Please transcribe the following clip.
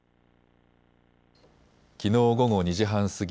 きのう午後２時半過ぎ